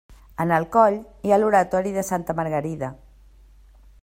En el coll hi ha l'Oratori de Santa Margarida.